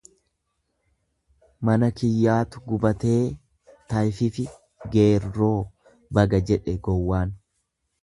Mana kiyyaatu gubatee tayfifi geerroo baga jedhe gowwaan.